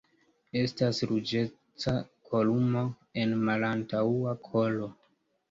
Estas ruĝeca kolumo en malantaŭa kolo.